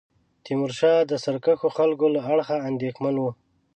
تیمورشاه د سرکښو خلکو له اړخه اندېښمن وو.